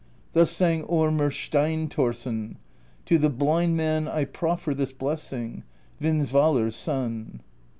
Thus sang Ormr Steinthorsson: To the blind man I profFer This blessing: Vindsvalr's Son.